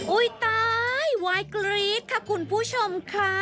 อุ๊ยตายไว้กรี๊ดค่ะคุณผู้ชมค่ะ